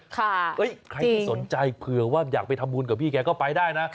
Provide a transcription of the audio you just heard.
ใครที่สนใจเผื่อว่าอยากไปทำบุญกับพี่แกก็ไปได้นะ